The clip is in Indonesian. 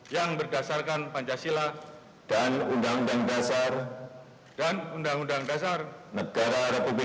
yang berdasarkan pancasila dan undang undang dasar